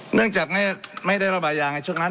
เนื่องจากไม่ได้ระบายยางในช่วงนั้น